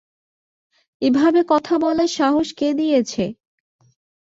এভাবে কথা বলার সাহস কে দিয়েছে?